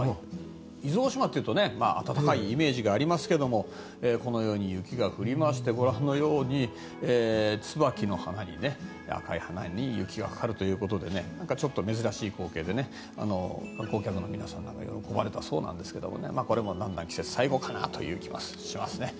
伊豆大島というと暖かいイメージがありますが雪が降りまして、ご覧のようにツバキの赤い花に雪がかかるということで珍しい光景で、皆さん喜ばれたそうですが、季節が最後かなという感じがしますね。